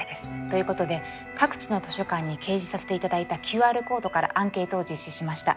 ということで各地の図書館に掲示させて頂いたＱＲコードからアンケートを実施しました。